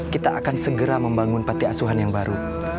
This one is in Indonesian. kita akan segera membangun panti asuhan yang baru